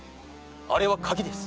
あれは鍵です。